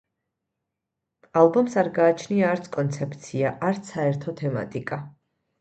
ალბომს არ გააჩნია არც კონცეფცია, არც საერთო თემატიკა.